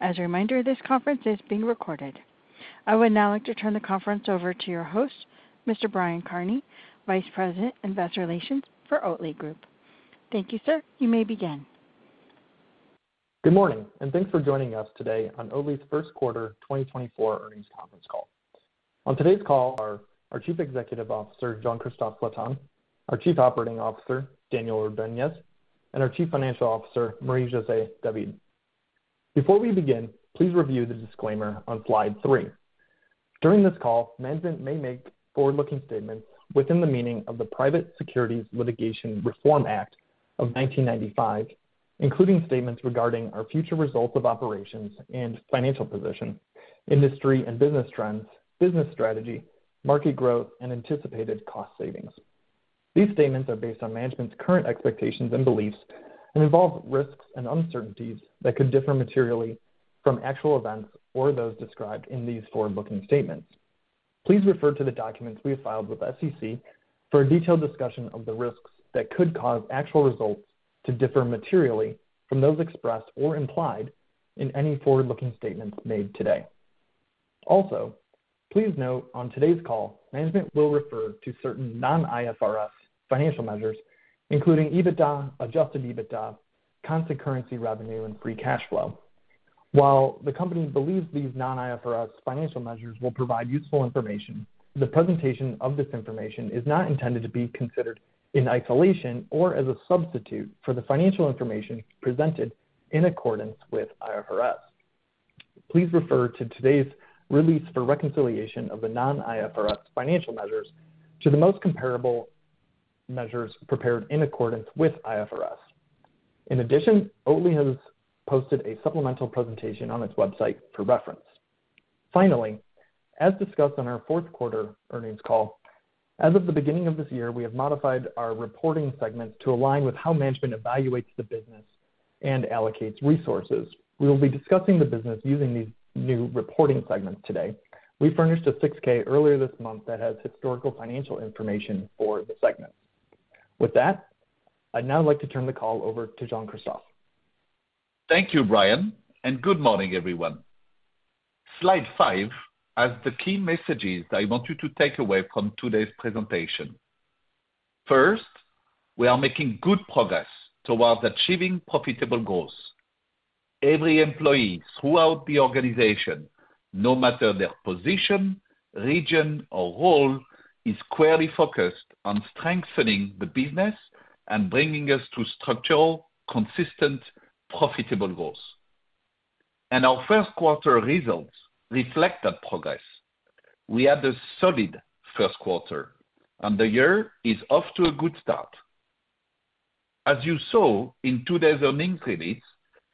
As a reminder, this conference is being recorded. I would now like to turn the conference over to your host, Mr. Brian Kearney, Vice President, Investor Relations for Oatly Group. Thank you, sir. You may begin. Good morning, and thanks for joining us today on Oatly's first quarter 2024 earnings conference call. On today's call are our Chief Executive Officer, Jean-Christophe Flatin, our Chief Operating Officer, Daniel Ordoñez, and our Chief Financial Officer, Marie-José David. Before we begin, please review the disclaimer on slide three. During this call, management may make forward-looking statements within the meaning of the Private Securities Litigation Reform Act of 1995, including statements regarding our future results of operations and financial position, industry and business trends, business strategy, market growth, and anticipated cost savings. These statements are based on management's current expectations and beliefs and involve risks and uncertainties that could differ materially from actual events or those described in these forward-looking statements. Please refer to the documents we have filed with SEC for a detailed discussion of the risks that could cause actual results to differ materially from those expressed or implied in any forward-looking statements made today. Also, please note on today's call, management will refer to certain non-IFRS financial measures, including EBITDA, adjusted EBITDA, constant currency revenue, and free cash flow. While the company believes these non-IFRS financial measures will provide useful information, the presentation of this information is not intended to be considered in isolation or as a substitute for the financial information presented in accordance with IFRS. Please refer to today's release for reconciliation of the non-IFRS financial measures to the most comparable measures prepared in accordance with IFRS. In addition, Oatly has posted a supplemental presentation on its website for reference. Finally, as discussed on our fourth quarter earnings call, as of the beginning of this year, we have modified our reporting segments to align with how management evaluates the business and allocates resources. We will be discussing the business using these new reporting segments today. We furnished a 6-K earlier this month that has historical financial information for the segments. With that, I'd now like to turn the call over to Jean-Christophe. Thank you, Brian, and good morning, everyone. Slide five has the key messages that I want you to take away from today's presentation. First, we are making good progress towards achieving profitable growth. Every employee throughout the organization, no matter their position, region, or role, is clearly focused on strengthening the business and bringing us to structural, consistent, profitable growth. Our first quarter results reflect that progress. We had a solid first quarter, and the year is off to a good start. As you saw in today's earnings release,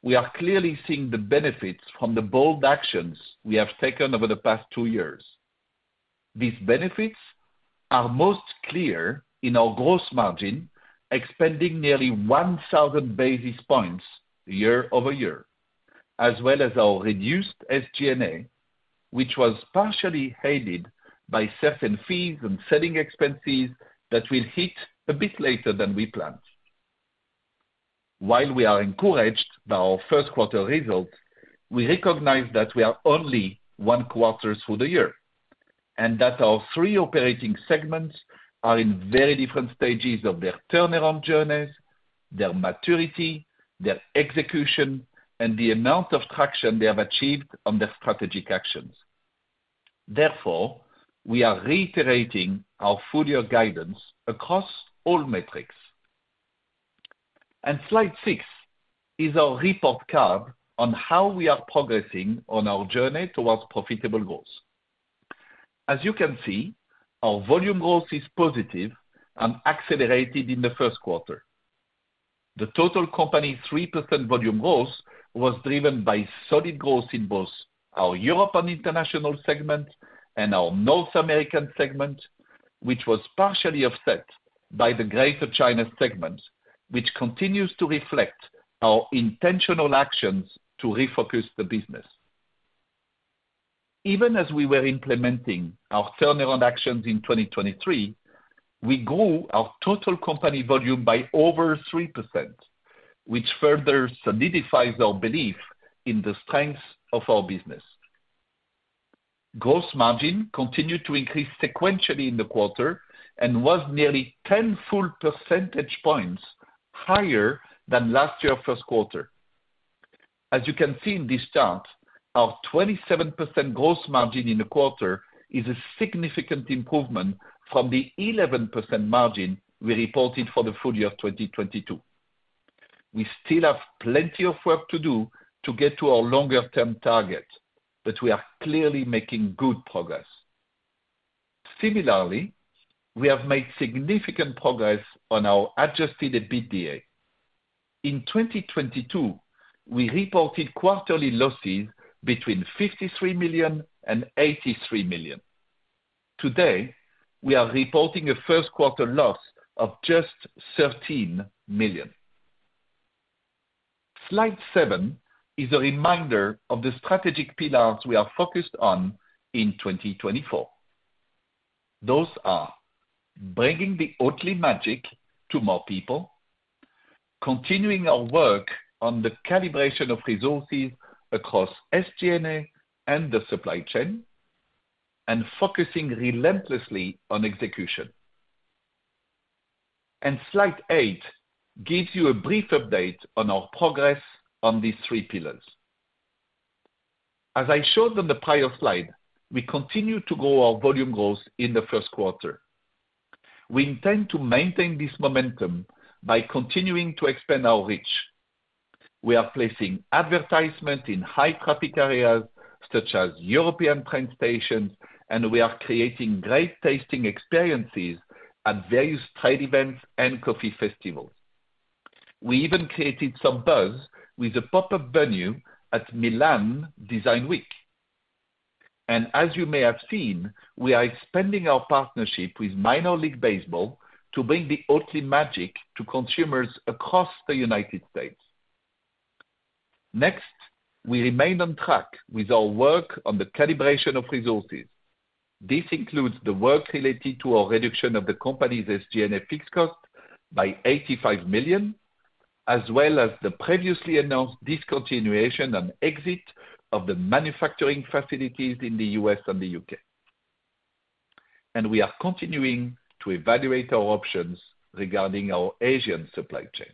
we are clearly seeing the benefits from the bold actions we have taken over the past two years. These benefits are most clear in our gross margin, expanding nearly 1,000 basis points year-over-year, as well as our reduced SG&A, which was partially offset by certain fees and selling expenses that will hit a bit later than we planned. While we are encouraged by our first quarter results, we recognize that we are only one quarter through the year and that our three operating segments are in very different stages of their turnaround journeys, their maturity, their execution, and the amount of traction they have achieved on their strategic actions. Therefore, we are reiterating our full-year guidance across all metrics. Slide six is our report card on how we are progressing on our journey towards profitable growth. As you can see, our volume growth is positive and accelerated in the first quarter. The total company 3% volume growth was driven by solid growth in both our Europe and international segments and our North American segment, which was partially offset by the Greater China segment, which continues to reflect our intentional actions to refocus the business. Even as we were implementing our turnaround actions in 2023, we grew our total company volume by over 3%, which further solidifies our belief in the strength of our business. Gross margin continued to increase sequentially in the quarter and was nearly 10 full percentage points higher than last year's first quarter. As you can see in this chart, our 27% gross margin in the quarter is a significant improvement from the 11% margin we reported for the full year 2022. We still have plenty of work to do to get to our longer-term target, but we are clearly making good progress. Similarly, we have made significant progress on our Adjusted EBITDA. In 2022, we reported quarterly losses between $53 million and $83 million. Today, we are reporting a first quarter loss of just $13 million. Slide seven is a reminder of the strategic pillars we are focused on in 2024. Those are: bringing the Oatly magic to more people, continuing our work on the calibration of resources across SG&A and the supply chain, and focusing relentlessly on execution. Slide eight gives you a brief update on our progress on these three pillars. As I showed on the prior slide, we continue to grow our volume growth in the first quarter. We intend to maintain this momentum by continuing to expand our reach. We are placing advertisement in high-traffic areas such as European train stations, and we are creating great tasting experiences at various trade events and coffee festivals. We even created some buzz with a pop-up venue at Milan Design Week. As you may have seen, we are expanding our partnership with Minor League Baseball to bring the Oatly magic to consumers across the United States. Next, we remain on track with our work on the calibration of resources. This includes the work related to our reduction of the company's SG&A fixed cost by $85 million, as well as the previously announced discontinuation and exit of the manufacturing facilities in the U.S. and the U.K. We are continuing to evaluate our options regarding our Asian supply chain.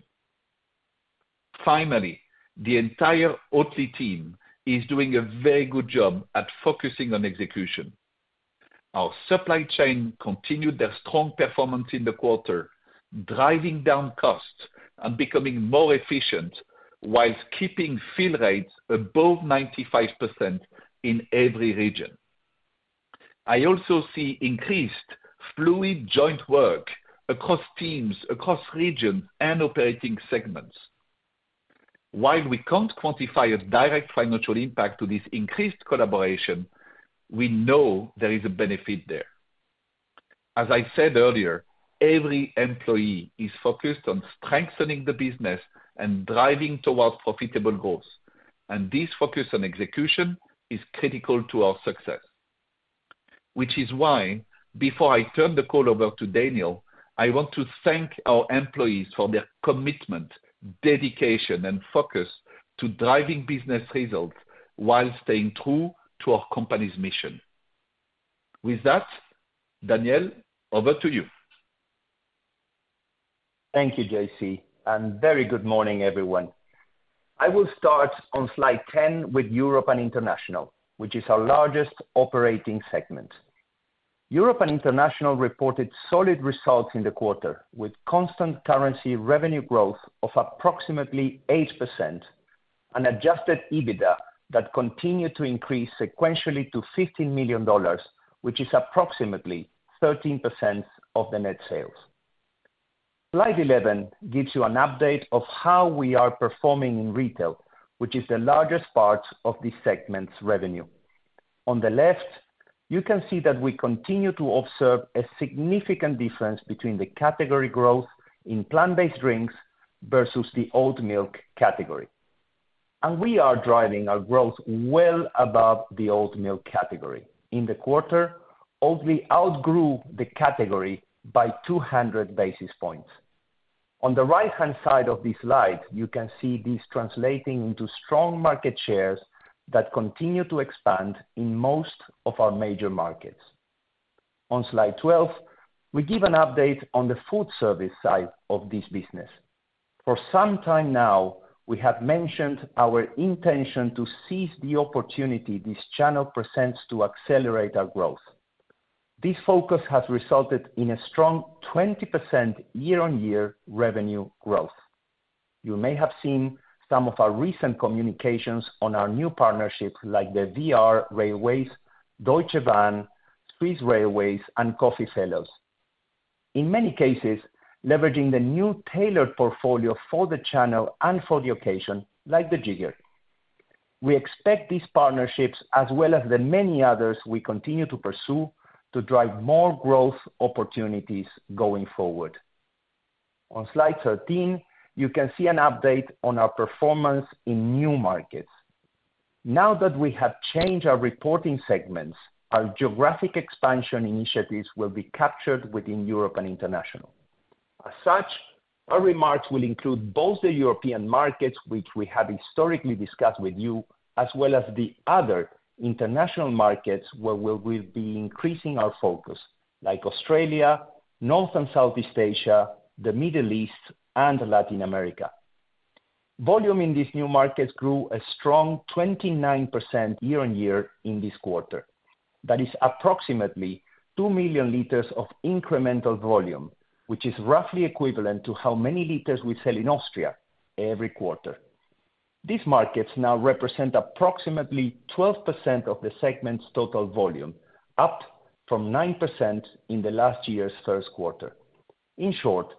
Finally, the entire Oatly team is doing a very good job at focusing on execution. Our supply chain continued their strong performance in the quarter, driving down costs and becoming more efficient while keeping fill rates above 95% in every region. I also see increased fluid joint work across teams, across regions, and operating segments. While we can't quantify a direct financial impact to this increased collaboration, we know there is a benefit there. As I said earlier, every employee is focused on strengthening the business and driving towards profitable growth, and this focus on execution is critical to our success. Which is why, before I turn the call over to Daniel, I want to thank our employees for their commitment, dedication, and focus to driving business results while staying true to our company's mission. With that, Daniel, over to you. Thank you, JC, and very good morning, everyone. I will start on slide 10 with Europe and international, which is our largest operating segment. Europe and international reported solid results in the quarter, with constant currency revenue growth of approximately 8% and Adjusted EBITDA that continued to increase sequentially to $15 million, which is approximately 13% of the net sales. Slide 11 gives you an update of how we are performing in retail, which is the largest part of this segment's revenue. On the left, you can see that we continue to observe a significant difference between the category growth in plant-based drinks versus the oat milk category. We are driving our growth well above the oat milk category. In the quarter, Oatly outgrew the category by 200 basis points. On the right-hand side of these slides, you can see this translating into strong market shares that continue to expand in most of our major markets. On slide 12, we give an update on the food service side of this business. For some time now, we have mentioned our intention to seize the opportunity this channel presents to accelerate our growth. This focus has resulted in a strong 20% year-on-year revenue growth. You may have seen some of our recent communications on our new partnerships like the VR Railways, Deutsche Bahn, Swiss Railways, and Coffee Fellows, in many cases leveraging the new tailored portfolio for the channel and for the occasion, like the Jigger. We expect these partnerships, as well as the many others we continue to pursue, to drive more growth opportunities going forward. On slide 13, you can see an update on our performance in new markets. Now that we have changed our reporting segments, our geographic expansion initiatives will be captured within Europe and international. As such, our remarks will include both the European markets, which we have historically discussed with you, as well as the other international markets where we will be increasing our focus, like Australia, North and Southeast Asia, the Middle East, and Latin America. Volume in these new markets grew a strong 29% year-on-year in this quarter. That is approximately 2 million L of incremental volume, which is roughly equivalent to how many liters we sell in Austria every quarter. These markets now represent approximately 12% of the segment's total volume, up from 9% in the last year's first quarter. In short,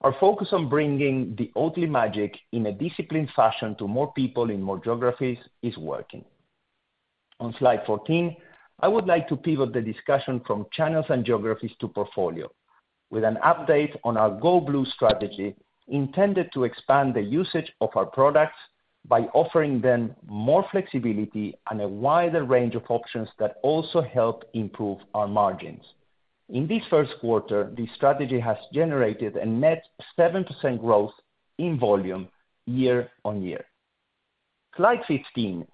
our focus on bringing the Oatly magic in a disciplined fashion to more people in more geographies is working. On slide 14, I would like to pivot the discussion from channels and geographies to portfolio, with an update on our Go Blue strategy intended to expand the usage of our products by offering them more flexibility and a wider range of options that also help improve our margins. In this first quarter, this strategy has generated a net 7% growth in volume year-on-year. Slide 15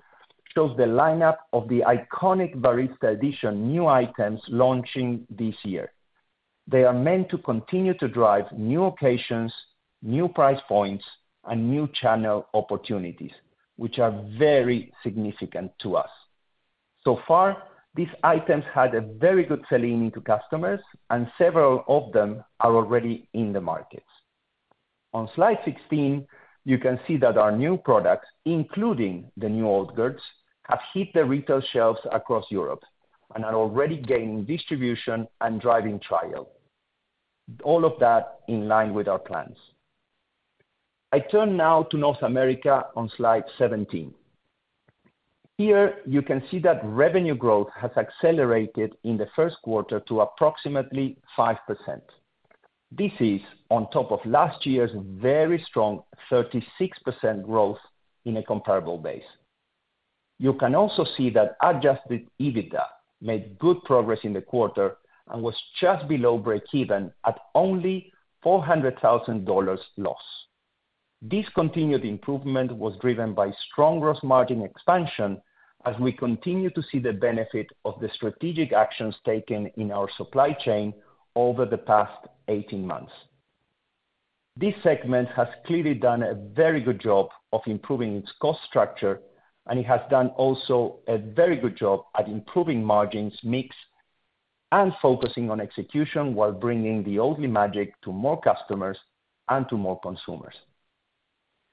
shows the lineup of the iconic Barista Edition new items launching this year. They are meant to continue to drive new occasions, new price points, and new channel opportunities, which are very significant to us. So far, these items had a very good selling into customers, and several of them are already in the markets. On slide 16, you can see that our new products, including the new Oatgurts, have hit the retail shelves across Europe and are already gaining distribution and driving trial. All of that in line with our plans. I turn now to North America on slide 17. Here, you can see that revenue growth has accelerated in the first quarter to approximately 5%. This is on top of last year's very strong 36% growth in a comparable base. You can also see that Adjusted EBITDA made good progress in the quarter and was just below break-even at only $400,000 loss. This continued improvement was driven by strong gross margin expansion as we continue to see the benefit of the strategic actions taken in our supply chain over the past 18 months. This segment has clearly done a very good job of improving its cost structure, and it has done also a very good job at improving margins mix and focusing on execution while bringing the Oatly magic to more customers and to more consumers.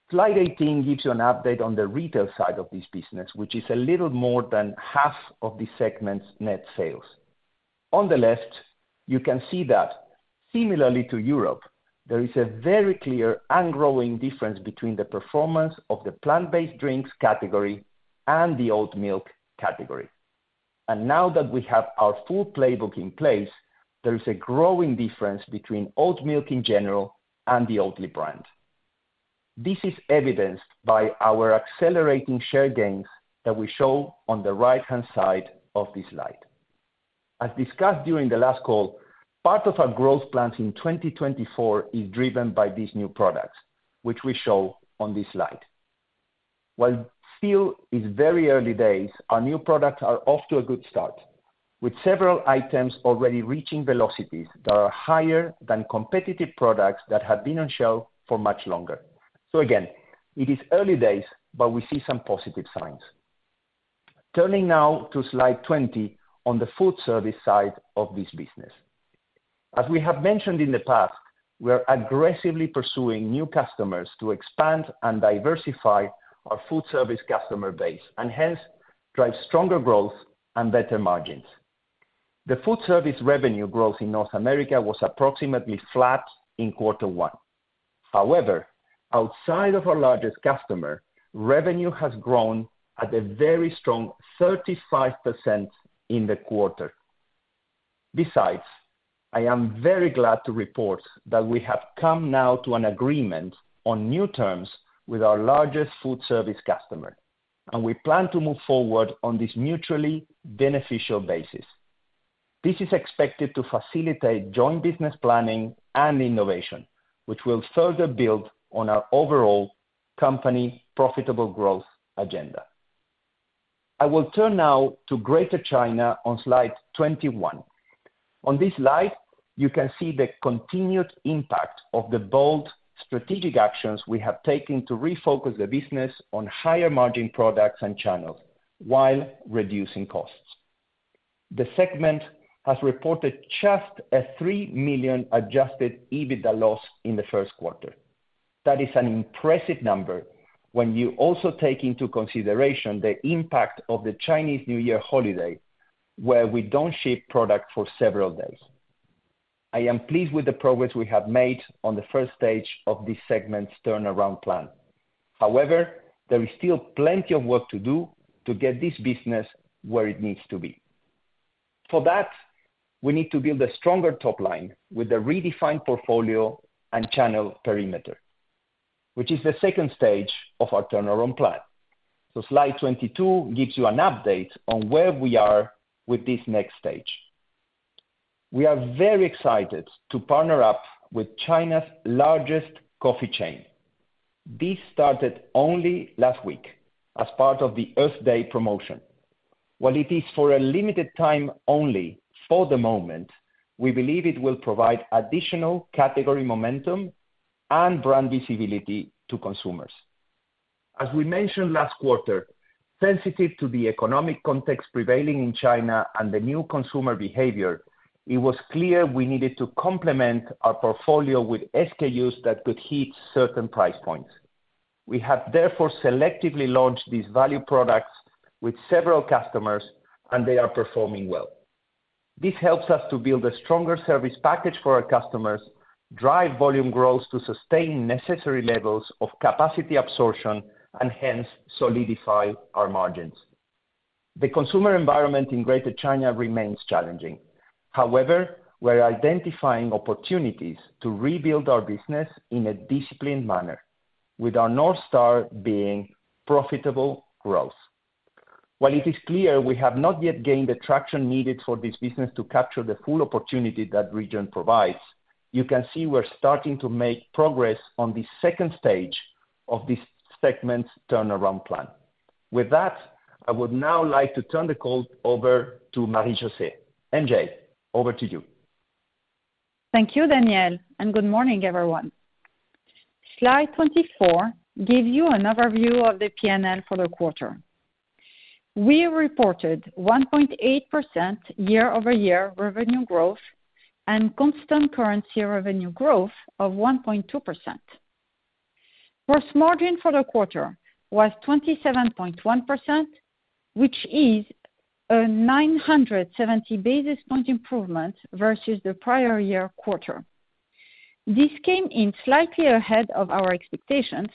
Slide 18 gives you an update on the retail side of this business, which is a little more than half of this segment's net sales. On the left, you can see that, similarly to Europe, there is a very clear and growing difference between the performance of the plant-based drinks category and the oat milk category. And now that we have our full playbook in place, there is a growing difference between oat milk in general and the Oatly brand. This is evidenced by our accelerating share gains that we show on the right-hand side of this slide. As discussed during the last call, part of our growth plans in 2024 is driven by these new products, which we show on this slide. While still in very early days, our new products are off to a good start, with several items already reaching velocities that are higher than competitive products that have been on shelf for much longer. So again, it is early days, but we see some positive signs. Turning now to slide 20 on the food service side of this business. As we have mentioned in the past, we are aggressively pursuing new customers to expand and diversify our food service customer base and hence drive stronger growth and better margins. The food service revenue growth in North America was approximately flat in quarter one. However, outside of our largest customer, revenue has grown at a very strong 35% in the quarter. Besides, I am very glad to report that we have come now to an agreement on new terms with our largest food service customer, and we plan to move forward on this mutually beneficial basis. This is expected to facilitate joint business planning and innovation, which will further build on our overall company profitable growth agenda. I will turn now to Greater China on slide 21. On this slide, you can see the continued impact of the bold strategic actions we have taken to refocus the business on higher margin products and channels while reducing costs. The segment has reported just a $3 million adjusted EBITDA loss in the first quarter. That is an impressive number when you also take into consideration the impact of the Chinese New Year holiday, where we don't ship product for several days. I am pleased with the progress we have made on the first stage of this segment's turnaround plan. However, there is still plenty of work to do to get this business where it needs to be. For that, we need to build a stronger top line with a redefined portfolio and channel perimeter, which is the second stage of our turnaround plan. So slide 22 gives you an update on where we are with this next stage. We are very excited to partner up with China's largest coffee chain. This started only last week as part of the Earth Day promotion. While it is for a limited time only for the moment, we believe it will provide additional category momentum and brand visibility to consumers. As we mentioned last quarter, sensitive to the economic context prevailing in China and the new consumer behavior, it was clear we needed to complement our portfolio with SKUs that could hit certain price points. We have therefore selectively launched these value products with several customers, and they are performing well. This helps us to build a stronger service package for our customers, drive volume growth to sustain necessary levels of capacity absorption, and hence solidify our margins. The consumer environment in Greater China remains challenging. However, we're identifying opportunities to rebuild our business in a disciplined manner, with our North Star being profitable growth. While it is clear we have not yet gained the traction needed for this business to capture the full opportunity that region provides, you can see we're starting to make progress on the second stage of this segment's turnaround plan. With that, I would now like to turn the call over to Marie-José MJ. Over to you. Thank you, Daniel, and good morning, everyone. Slide 24 gives you an overview of the P&L for the quarter. We reported 1.8% year-over-year revenue growth and constant currency revenue growth of 1.2%. Gross margin for the quarter was 27.1%, which is a 970 basis point improvement versus the prior year quarter. This came in slightly ahead of our expectations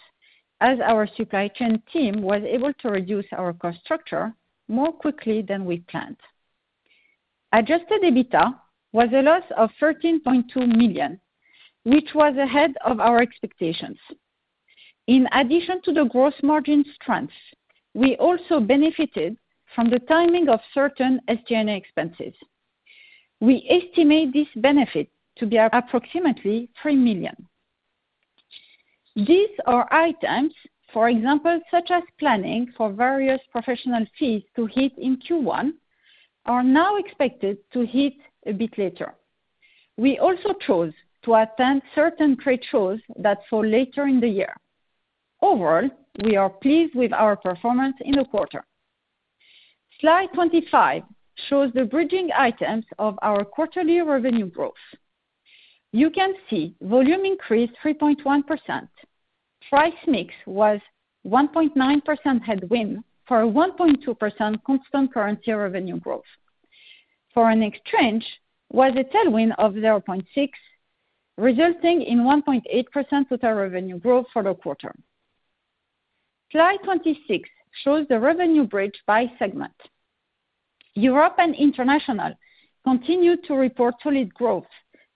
as our supply chain team was able to reduce our cost structure more quickly than we planned. Adjusted EBITDA was a loss of $13.2 million, which was ahead of our expectations. In addition to the gross margin strength, we also benefited from the timing of certain SG&A expenses. We estimate this benefit to be approximately $3 million. These are items, for example, such as planning for various professional fees to hit in Q1, are now expected to hit a bit later. We also chose to attend certain trade shows that fall later in the year. Overall, we are pleased with our performance in the quarter. Slide 25 shows the bridging items of our quarterly revenue growth. You can see volume increased 3.1%. Price mix was 1.9% headwind for a 1.2% constant currency revenue growth. For an exchange, it was a tailwind of 0.6%, resulting in 1.8% total revenue growth for the quarter. Slide 26 shows the revenue bridge by segment. Europe and international continue to report solid growth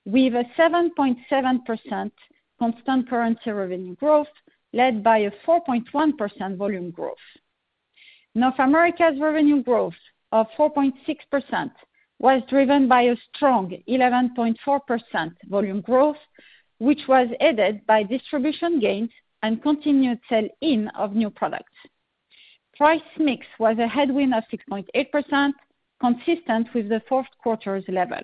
with a 7.7% constant currency revenue growth led by a 4.1% volume growth. North America's revenue growth of 4.6% was driven by a strong 11.4% volume growth, which was aided by distribution gains and continued sell-in of new products. Price mix was a headwind of 6.8%, consistent with the fourth quarter's level.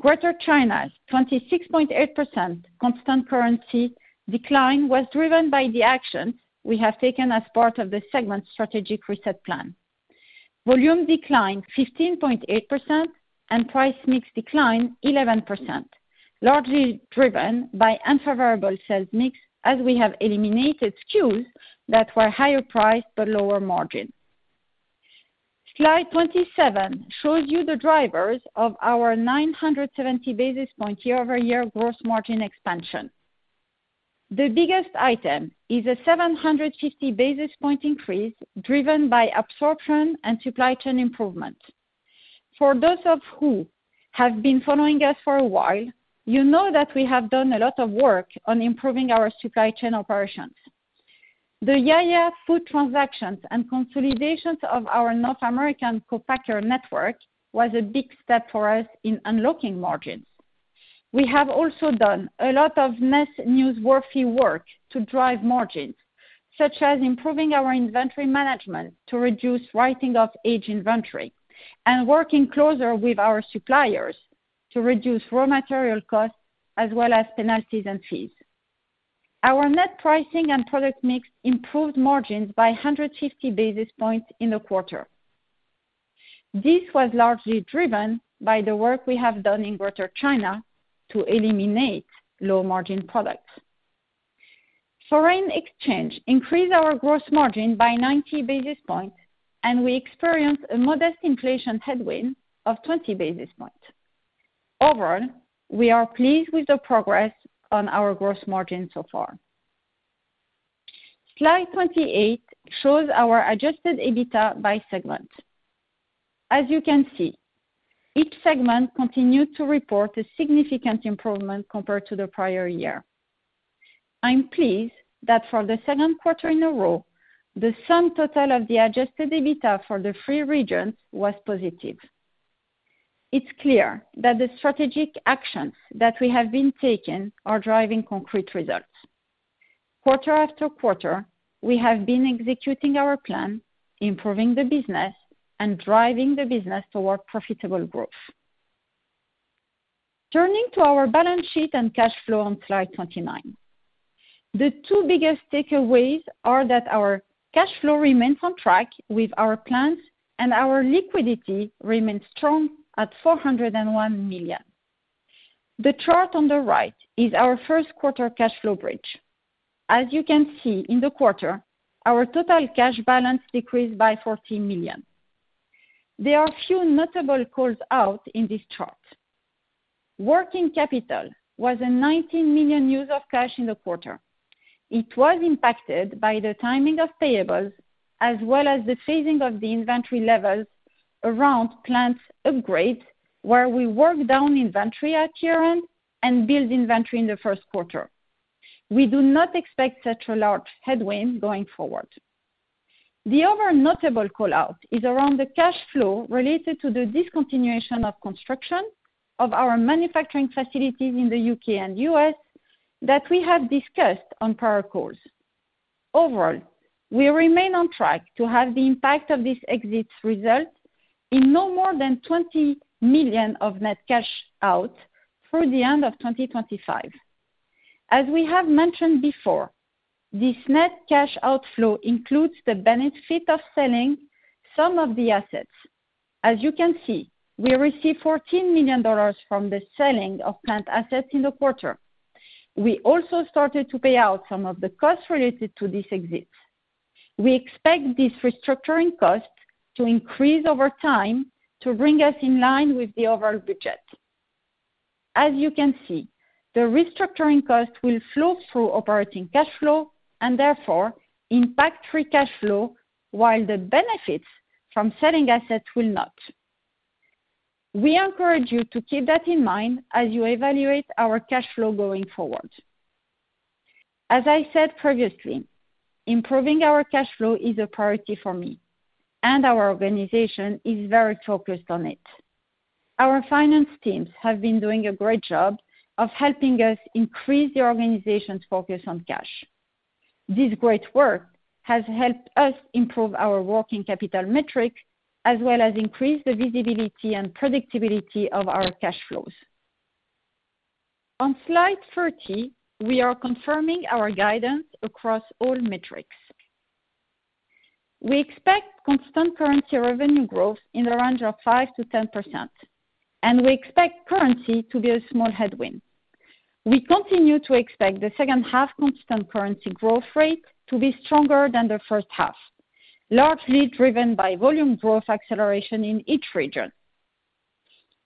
Greater China's 26.8% constant currency decline was driven by the actions we have taken as part of the segment's strategic reset plan. Volume declined 15.8% and price mix declined 11%, largely driven by unfavorable sales mix as we have eliminated SKUs that were higher priced but lower margin. Slide 27 shows you the drivers of our 970 basis point year-over-year gross margin expansion. The biggest item is a 750 basis point increase driven by absorption and supply chain improvement. For those of you who have been following us for a while, you know that we have done a lot of work on improving our supply chain operations. The YaYA Foods transactions and consolidations of our North American co-packer network was a big step for us in unlocking margins. We have also done a lot of NES newsworthy work to drive margins, such as improving our inventory management to reduce write-off of aged inventory and working closer with our suppliers to reduce raw material costs as well as penalties and fees. Our net pricing and product mix improved margins by 150 basis points in the quarter. This was largely driven by the work we have done in Greater China to eliminate low margin products. Foreign exchange increased our gross margin by 90 basis points, and we experienced a modest inflation headwind of 20 basis points. Overall, we are pleased with the progress on our gross margin so far. Slide 28 shows our adjusted EBITDA by segment. As you can see, each segment continued to report a significant improvement compared to the prior year. I'm pleased that for the second quarter in a row, the sum total of the Adjusted EBITDA for the three regions was positive. It's clear that the strategic actions that we have been taken are driving concrete results. Quarter after quarter, we have been executing our plan, improving the business, and driving the business toward profitable growth. Turning to our balance sheet and cash flow on slide 29. The two biggest takeaways are that our cash flow remains on track with our plans and our liquidity remains strong at $401 million. The chart on the right is our first quarter cash flow bridge. As you can see in the quarter, our total cash balance decreased by $14 million. There are a few notable callouts in this chart. Working capital was a $19 million use of cash in the quarter. It was impacted by the timing of payables as well as the phasing of the inventory levels around plant upgrades, where we work down inventory at year-end and build inventory in the first quarter. We do not expect such a large headwind going forward. The other notable call out is around the cash flow related to the discontinuation of construction of our manufacturing facilities in the U.K. and U.S. that we have discussed on prior calls. Overall, we remain on track to have the impact of this exit result in no more than $20 million of net cash out through the end of 2025. As we have mentioned before, this net cash outflow includes the benefit of selling some of the assets. As you can see, we received $14 million from the selling of plant assets in the quarter. We also started to pay out some of the costs related to this exit. We expect this restructuring cost to increase over time to bring us in line with the overall budget. As you can see, the restructuring cost will flow through operating cash flow and therefore impact free cash flow, while the benefits from selling assets will not. We encourage you to keep that in mind as you evaluate our cash flow going forward. As I said previously, improving our cash flow is a priority for me, and our organization is very focused on it. Our finance teams have been doing a great job of helping us increase the organization's focus on cash. This great work has helped us improve our working capital metric as well as increase the visibility and predictability of our cash flows. On slide 30, we are confirming our guidance across all metrics. We expect constant currency revenue growth in the range of 5%-10%, and we expect currency to be a small headwind. We continue to expect the second half constant currency growth rate to be stronger than the first half, largely driven by volume growth acceleration in each region.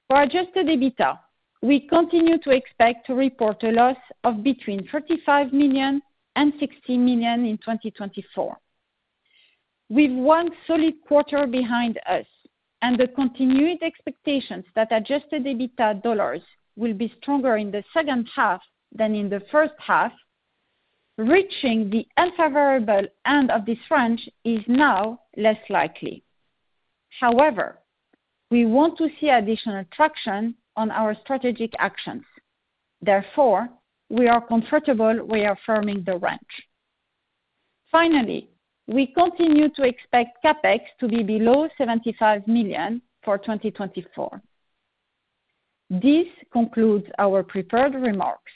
For Adjusted EBITDA, we continue to expect to report a loss of between $35 million and $60 million in 2024. With one solid quarter behind us and the continued expectations that Adjusted EBITDA dollars will be stronger in the second half than in the first half, reaching the unfavorable end of this range is now less likely. However, we want to see additional traction on our strategic actions. Therefore, we are comfortable reaffirming the range. Finally, we continue to expect CapEx to be below $75 million for 2024. This concludes our prepared remarks.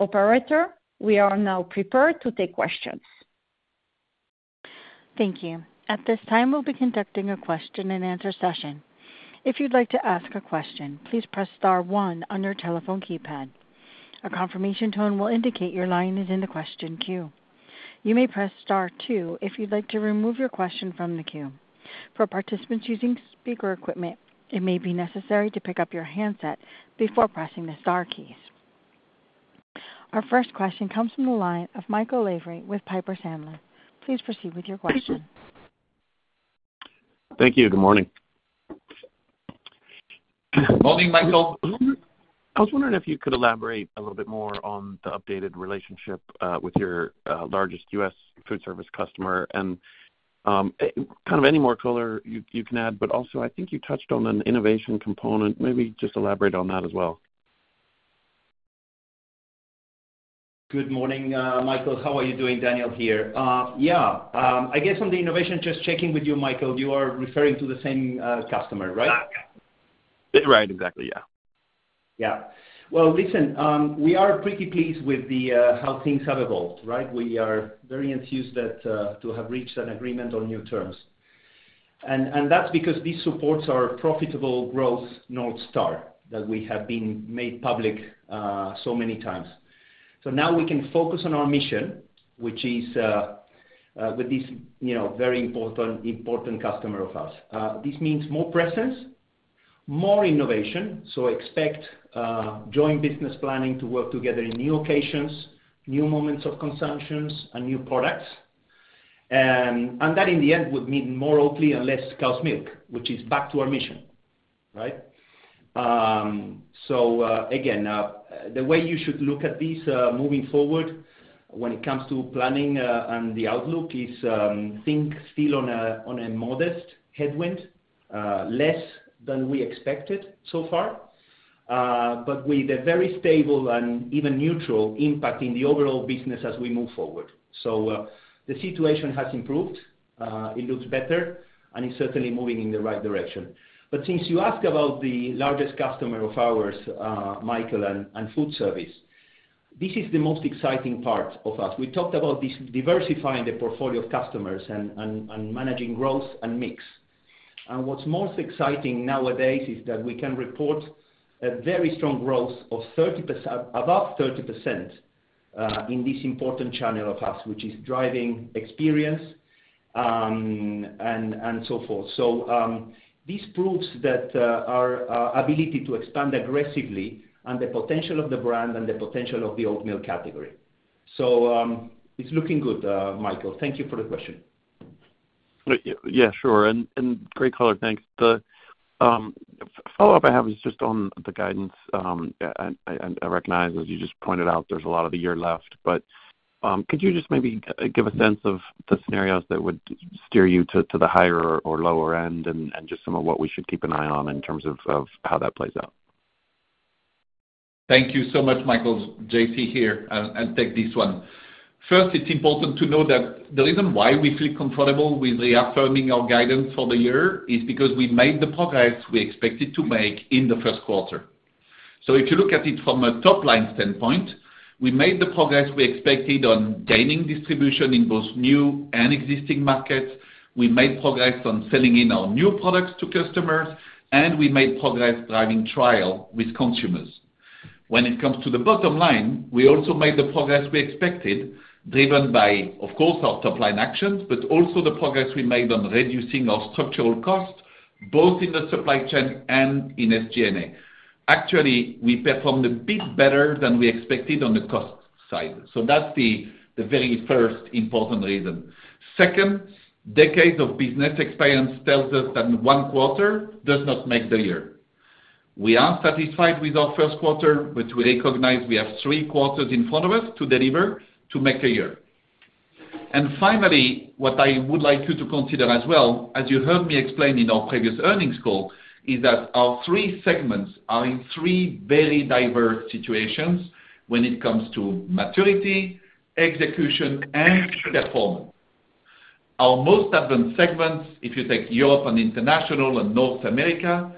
Operator, we are now prepared to take questions. Thank you. At this time, we'll be conducting a question-and-answer session. If you'd like to ask a question, please press star one on your telephone keypad. A confirmation tone will indicate your line is in the question queue. You may press star two if you'd like to remove your question from the queue. For participants using speaker equipment, it may be necessary to pick up your handset before pressing the star keys. Our first question comes from the line of Michael Lavery with Piper Sandler. Please proceed with your question. Thank you. Good morning. Morning, Michael. I was wondering if you could elaborate a little bit more on the updated relationship with your largest U.S. food service customer and kind of any more color you can add? But also, I think you touched on an innovation component. Maybe just elaborate on that as well? Good morning, Michael. How are you doing? Daniel here. Yeah. I guess on the innovation, just checking with you, Michael, you are referring to the same customer, right? Right. Exactly. Yeah. Yeah. Well, listen, we are pretty pleased with how things have evolved, right? We are very enthused to have reached an agreement on new terms. And that's because this supports our profitable growth North Star that we have been made public so many times. So now we can focus on our mission, which is with this very important customer of ours. This means more presence, more innovation. So expect joint business planning to work together in new occasions, new moments of consumptions, and new products. And that, in the end, would mean more Oatly and less cow's milk, which is back to our mission, right? So again, the way you should look at this moving forward when it comes to planning and the outlook is think still on a modest headwind, less than we expected so far, but with a very stable and even neutral impact in the overall business as we move forward. So the situation has improved. It looks better, and it's certainly moving in the right direction. But since you asked about the largest customer of ours, Michael, and food service, this is the most exciting part of us. We talked about diversifying the portfolio of customers and managing growth and mix. And what's most exciting nowadays is that we can report a very strong growth of above 30% in this important channel of us, which is driving experience and so forth. This proves our ability to expand aggressively and the potential of the brand and the potential of the oatmeal category. So it's looking good, Michael. Thank you for the question. Yeah. Sure. Great color. Thanks. The follow-up I have is just on the guidance. I recognize, as you just pointed out, there's a lot of the year left. Could you just maybe give a sense of the scenarios that would steer you to the higher or lower end and just some of what we should keep an eye on in terms of how that plays out? Thank you so much, Michael. JC here to take this one. First, it's important to know that the reason why we feel comfortable with reaffirming our guidance for the year is because we made the progress we expected to make in the first quarter. So if you look at it from a top-line standpoint, we made the progress we expected on gaining distribution in both new and existing markets. We made progress on selling in our new products to customers, and we made progress driving trial with consumers. When it comes to the bottom line, we also made the progress we expected driven by, of course, our top-line actions, but also the progress we made on reducing our structural cost, both in the supply chain and in SG&A. Actually, we performed a bit better than we expected on the cost side. So that's the very first important reason. Second, decades of business experience tells us that one quarter does not make the year. We are satisfied with our first quarter, but we recognize we have three quarters in front of us to deliver to make a year. Finally, what I would like you to consider as well, as you heard me explain in our previous earnings call, is that our three segments are in three very diverse situations when it comes to maturity, execution, and performance. Our most advanced segments, if you take Europe and international and North America,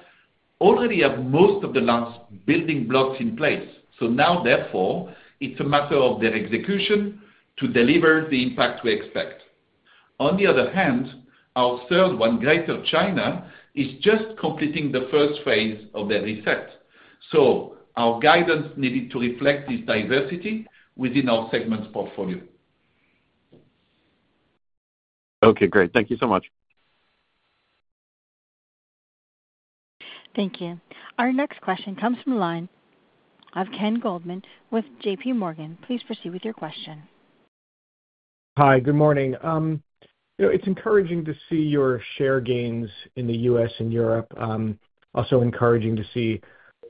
already have most of the last building blocks in place. Now, therefore, it's a matter of their execution to deliver the impact we expect. On the other hand, our third one, Greater China, is just completing the first phase of their reset. Our guidance needed to reflect this diversity within our segments portfolio. Okay. Great. Thank you so much. Thank you. Our next question comes from the line of Ken Goldman with JPMorgan. Please proceed with your question. Hi. Good morning. It's encouraging to see your share gains in the U.S. and Europe, also encouraging to see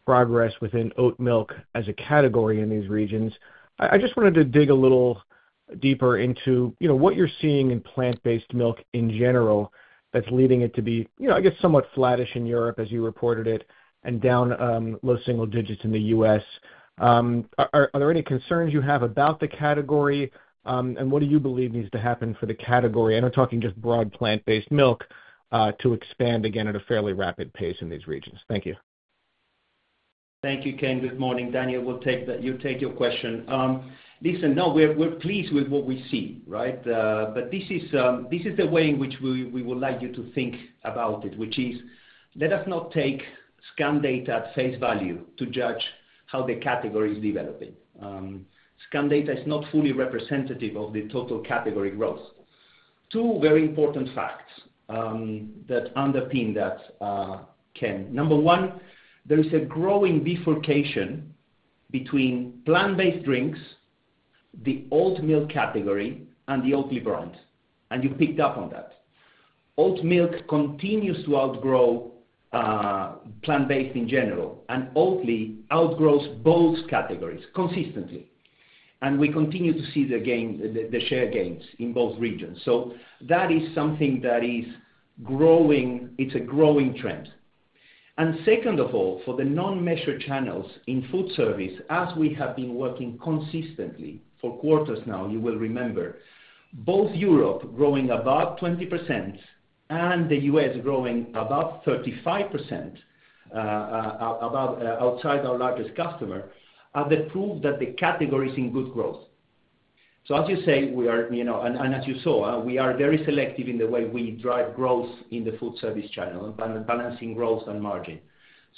progress within oat milk as a category in these regions. I just wanted to dig a little deeper into what you're seeing in plant-based milk in general that's leading it to be, I guess, somewhat flatish in Europe, as you reported it, and down low single digits in the U.S. Are there any concerns you have about the category, and what do you believe needs to happen for the category? And I'm talking just broad plant-based milk to expand again at a fairly rapid pace in these regions. Thank you. Thank you, Ken. Good morning, Daniel. You take your question. Listen, no, we're pleased with what we see, right? But this is the way in which we would like you to think about it, which is let us not take scan data at face value to judge how the category is developing. Scan data is not fully representative of the total category growth. Two very important facts that underpin that, Ken. Number one, there is a growing bifurcation between plant-based drinks, the oat milk category, and the Oatly brand. And you picked up on that. Oat milk continues to outgrow plant-based in general, and Oatly outgrows both categories consistently. And we continue to see the share gains in both regions. So that is something that is growing. It's a growing trend. And second of all, for the non-measured channels in food service, as we have been working consistently for quarters now, you will remember, both Europe growing about 20% and the US growing about 35% outside our largest customer have proved that the category is in good growth. So as you say, we are and as you saw, we are very selective in the way we drive growth in the food service channel and balancing growth and margin.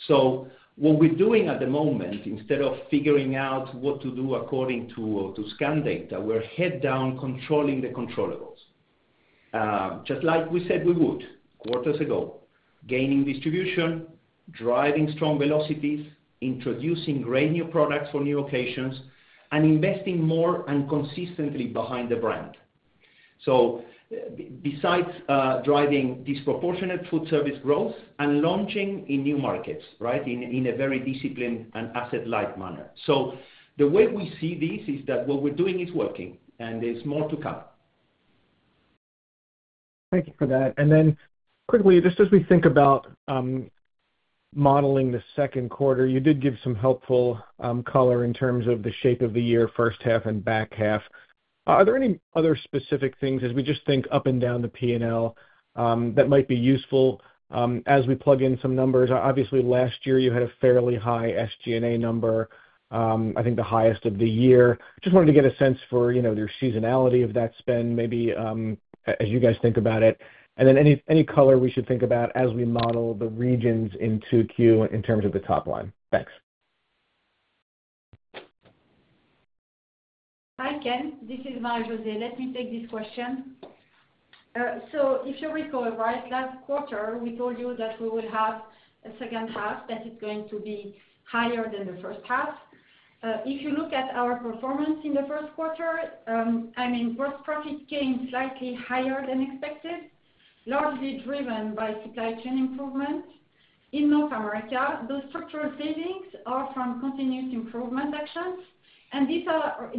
So what we're doing at the moment, instead of figuring out what to do according to scan data, we're head down controlling the controllables, just like we said we would quarters ago, gaining distribution, driving strong velocities, introducing great new products for new occasions, and investing more and consistently behind the brand. Besides driving disproportionate food service growth and launching in new markets, right, in a very disciplined and asset-light manner. The way we see this is that what we're doing is working, and there's more to come. Thank you for that. Then quickly, just as we think about modeling the second quarter, you did give some helpful color in terms of the shape of the year, first half and back half. Are there any other specific things, as we just think up and down the P&L, that might be useful as we plug in some numbers? Obviously, last year, you had a fairly high SG&A number, I think the highest of the year. Just wanted to get a sense for your seasonality of that spend, maybe as you guys think about it, and then any color we should think about as we model the regions in Q2 in terms of the top line? Thanks. Hi, Ken. This is Marie-José. Let me take this question. So if you recall, right, last quarter, we told you that we will have a second half that is going to be higher than the first half. If you look at our performance in the first quarter, I mean, gross profit came slightly higher than expected, largely driven by supply chain improvement. In North America, those structural savings are from continuous improvement actions, and these are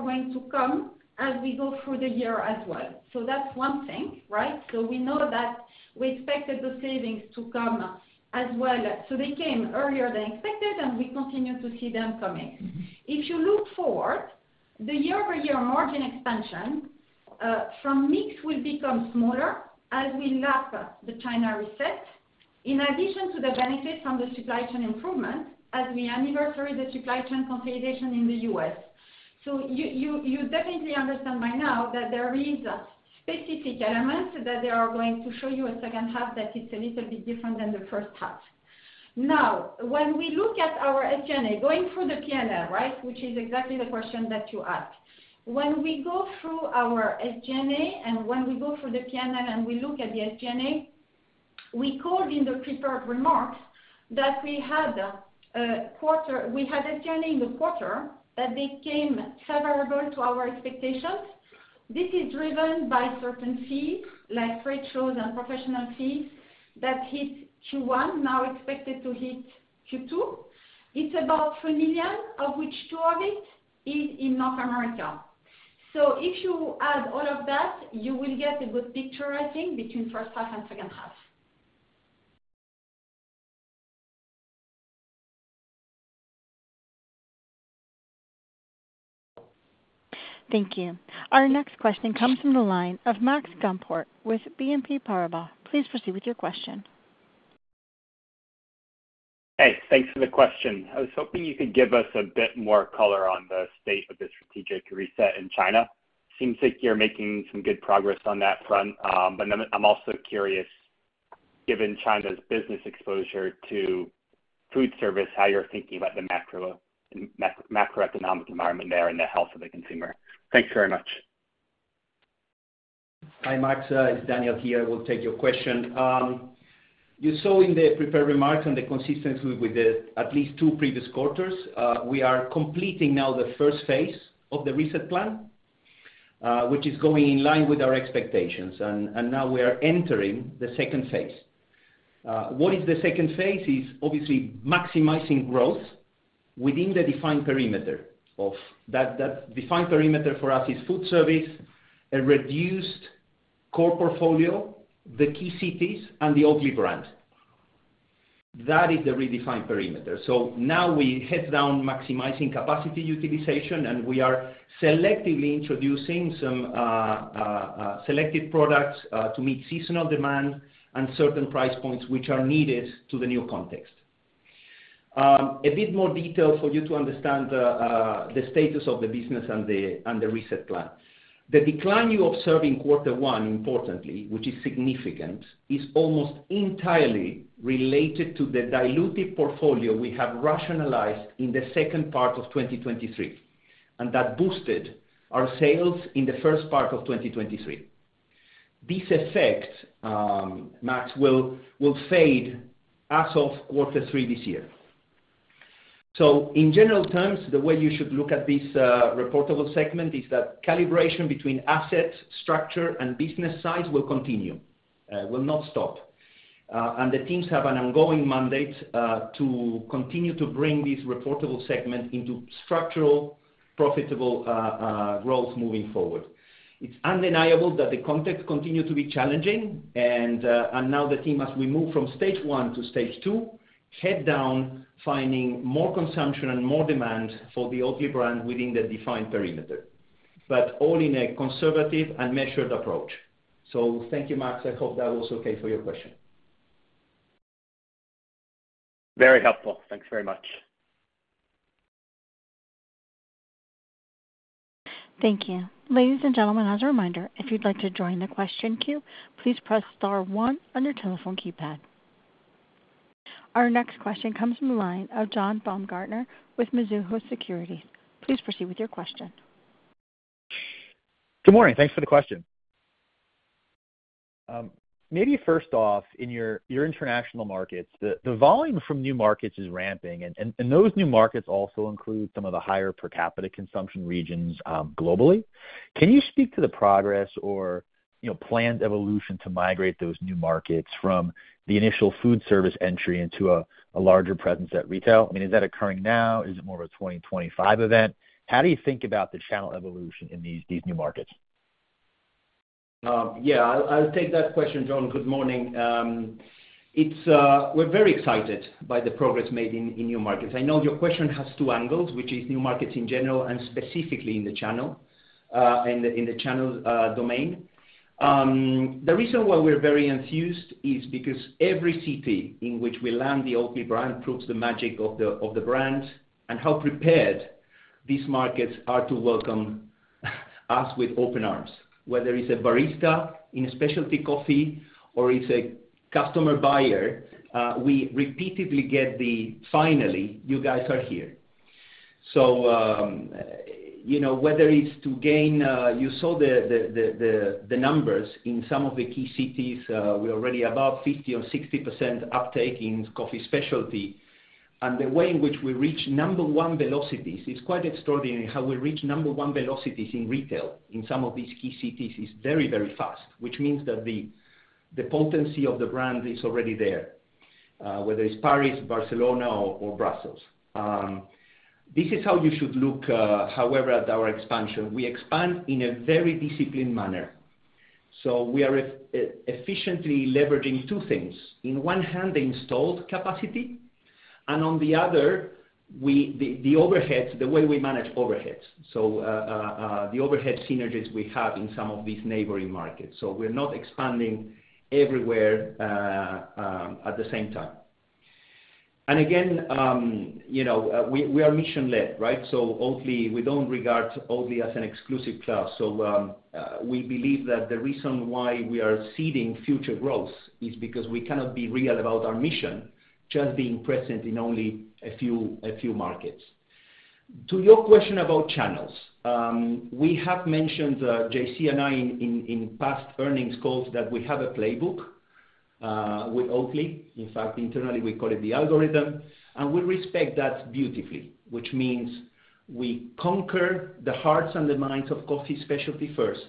going to come as we go through the year as well. So that's one thing, right? So we know that we expected those savings to come as well. So they came earlier than expected, and we continue to see them coming. If you look forward, the year-over-year margin expansion from mix will become smaller as we lap the China reset, in addition to the benefits from the supply chain improvement as we anniversary the supply chain consolidation in the US. So you definitely understand by now that there are specific elements that they are going to show you a second half that it's a little bit different than the first half. Now, when we look at our SG&A going through the P&L, right, which is exactly the question that you asked, when we go through our SG&A and when we go through the P&L and we look at the SG&A, we called in the prepared remarks that we had SG&A in the quarter that became favorable to our expectations. This is driven by certain fees like ratios and professional fees that hit Q1, now expected to hit Q2. It's about $3 million, of which $2 million of it is in North America. So if you add all of that, you will get a good picture, I think, between first half and second half. Thank you. Our next question comes from the line of Max Gumport with BNP Paribas. Please proceed with your question. Hey. Thanks for the question. I was hoping you could give us a bit more color on the state of the strategic reset in China? Seems like you're making some good progress on that front. But then I'm also curious, given China's business exposure to food service, how you're thinking about the macroeconomic environment there and the health of the consumer. Thanks very much. Hi, Max. It's Daniel here. I will take your question. You saw in the prepared remarks and the consistency with at least two previous quarters, we are completing now the first phase of the reset plan, which is going in line with our expectations. And now we are entering the second phase. What is the second phase? It's obviously maximizing growth within the defined perimeter of that. That defined perimeter for us is food service, a reduced core portfolio, the key cities, and the Oatly brand. That is the redefined perimeter. So now we head down maximizing capacity utilization, and we are selectively introducing some selected products to meet seasonal demand and certain price points which are needed to the new context. A bit more detail for you to understand the status of the business and the reset plan. The decline you observe in quarter one, importantly, which is significant, is almost entirely related to the diluted portfolio we have rationalized in the second part of 2023, and that boosted our sales in the first part of 2023. This effect, Max, will fade as of quarter three this year. So in general terms, the way you should look at this reportable segment is that calibration between asset structure and business size will continue, will not stop. And the teams have an ongoing mandate to continue to bring this reportable segment into structural, profitable growth moving forward. It's undeniable that the context continues to be challenging. And now the team, as we move from stage one to stage two, head down finding more consumption and more demand for the Oatly brand within the defined perimeter, but all in a conservative and measured approach. So thank you, Max. I hope that was okay for your question. Very helpful. Thanks very much. Thank you. Ladies and gentlemen, as a reminder, if you'd like to join the question queue, please press star one on your telephone keypad. Our next question comes from the line of John Baumgartner with Mizuho Securities. Please proceed with your question. Good morning. Thanks for the question. Maybe first off, in your international markets, the volume from new markets is ramping. Those new markets also include some of the higher per capita consumption regions globally. Can you speak to the progress or planned evolution to migrate those new markets from the initial food service entry into a larger presence at retail? I mean, is that occurring now? Is it more of a 2025 event? How do you think about the channel evolution in these new markets? Yeah. I'll take that question, John. Good morning. We're very excited by the progress made in new markets. I know your question has two angles, which is new markets in general and specifically in the channel and in the channel domain. The reason why we're very enthused is because every city in which we land the Oatly brand proves the magic of the brand and how prepared these markets are to welcome us with open arms. Whether it's a barista in a specialty coffee or it's a customer buyer, we repeatedly get the, "Finally, you guys are here." So whether it's to gain. You saw the numbers in some of the key cities. We're already above 50% or 60% uptake in coffee specialty. And the way in which we reach number one velocities is quite extraordinary. How we reach number one velocities in retail in some of these key cities is very, very fast, which means that the potency of the brand is already there, whether it's Paris, Barcelona, or Brussels. This is how you should look, however, at our expansion. We expand in a very disciplined manner. We are efficiently leveraging two things. In one hand, the installed capacity. And on the other, the overheads, the way we manage overheads, so the overhead synergies we have in some of these neighboring markets. We're not expanding everywhere at the same time. And again, we are mission-led, right? Oatly, we don't regard Oatly as an exclusive club. We believe that the reason why we are seeding future growth is because we cannot be real about our mission just being present in only a few markets. To your question about channels, we have mentioned, J.C. and I, in past earnings calls, that we have a playbook with Oatly. In fact, internally, we call it the algorithm. And we respect that beautifully, which means we conquer the hearts and the minds of coffee specialty first.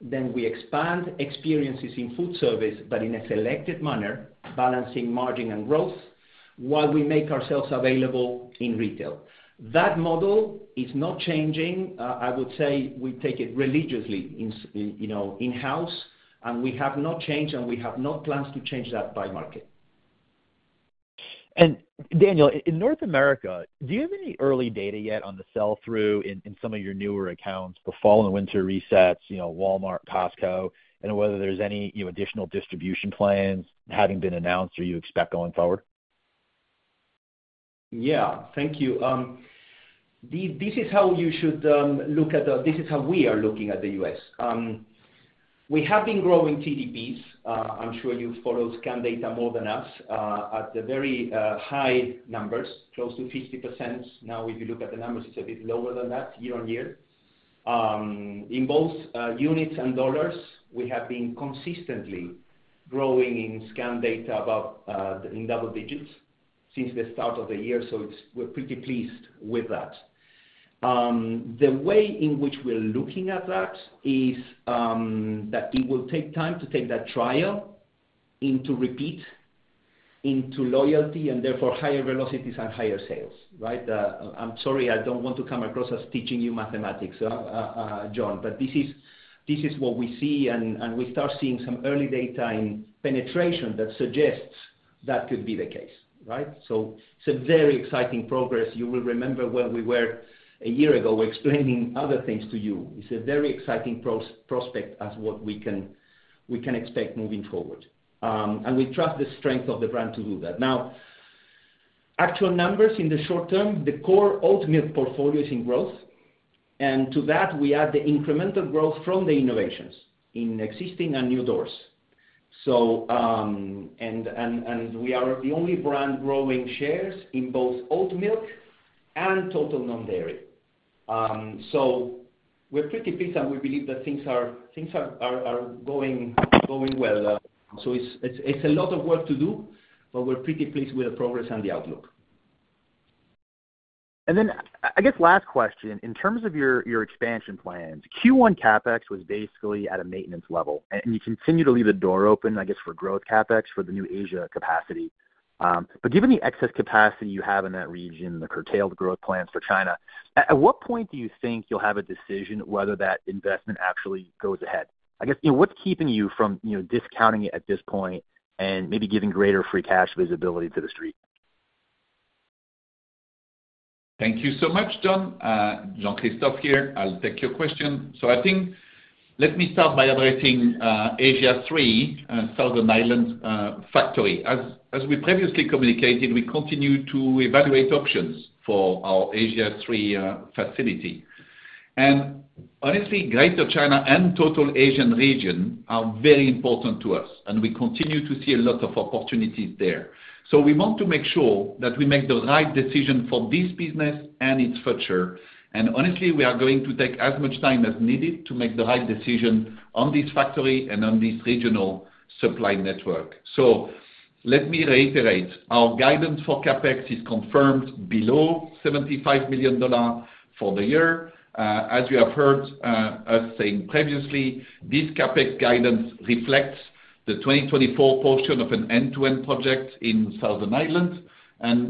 Then we expand experiences in food service, but in a selected manner, balancing margin and growth while we make ourselves available in retail. That model is not changing. I would say we take it religiously in-house, and we have not changed, and we have no plans to change that by market. Daniel, in North America, do you have any early data yet on the sell-through in some of your newer accounts, the fall and winter resets, Walmart, Costco, and whether there's any additional distribution plans having been announced or you expect going forward? Yeah. Thank you. This is how you should look at this is how we are looking at the US. We have been growing TDPs. I'm sure you follow scan data more than us at very high numbers, close to 50%. Now, if you look at the numbers, it's a bit lower than that year-on-year. In both units and dollars, we have been consistently growing in scan data in double digits since the start of the year. So we're pretty pleased with that. The way in which we're looking at that is that it will take time to take that trial into repeat, into loyalty, and therefore higher velocities and higher sales, right? I'm sorry. I don't want to come across as teaching you mathematics, John, but this is what we see. We start seeing some early data in penetration that suggests that could be the case, right? So it's a very exciting progress. You will remember when we were a year ago explaining other things to you. It's a very exciting prospect as what we can expect moving forward. And we trust the strength of the brand to do that. Now, actual numbers in the short term, the core oat milk portfolio is in growth. And to that, we add the incremental growth from the innovations in existing and new doors. And we are the only brand growing shares in both oat milk and total non-dairy. So we're pretty pleased, and we believe that things are going well. So it's a lot of work to do, but we're pretty pleased with the progress and the outlook. And then I guess last question, in terms of your expansion plans, Q1 CapEx was basically at a maintenance level. And you continue to leave the door open, I guess, for growth CapEx for the new Asia capacity. But given the excess capacity you have in that region, the curtailed growth plans for China, at what point do you think you'll have a decision whether that investment actually goes ahead? I guess what's keeping you from discounting it at this point and maybe giving greater free cash visibility to the street? Thank you so much, John. Jean-Christophe here. I'll take your question. So I think let me start by addressing Asia 3, Southern Island factory. As we previously communicated, we continue to evaluate options for our Asia 3 facility. And honestly, Greater China and total Asian region are very important to us, and we continue to see a lot of opportunities there. So we want to make sure that we make the right decision for this business and its future. And honestly, we are going to take as much time as needed to make the right decision on this factory and on this regional supply network. So let me reiterate. Our guidance for CapEx is confirmed below $75 million for the year. As you have heard us saying previously, this CapEx guidance reflects the 2024 portion of an end-to-end project in Southern Island.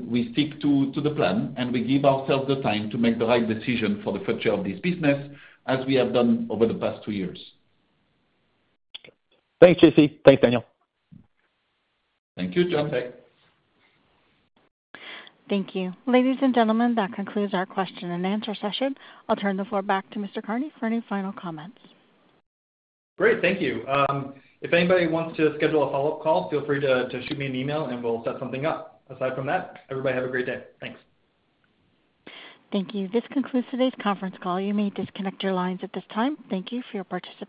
We stick to the plan, and we give ourselves the time to make the right decision for the future of this business as we have done over the past two years. Thanks, JC. Thanks, Daniel. Thank you, John. Thank you. Ladies and gentlemen, that concludes our question and answer session. I'll turn the floor back to Mr. Kearney for any final comments. Great. Thank you. If anybody wants to schedule a follow-up call, feel free to shoot me an email, and we'll set something up. Aside from that, everybody have a great day. Thanks. Thank you. This concludes today's conference call. You may disconnect your lines at this time. Thank you for your participation.